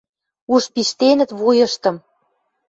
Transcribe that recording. Уж пиштенӹт вуйыштым.